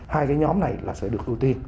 hai cái nhóm này sẽ được ưu tiên